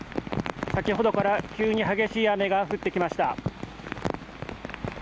先ほどから急に激しい雨が降ってきました。